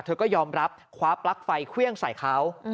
เธอก็ยอมรับคว้าปลั๊กไฟเครื่องใส่เขา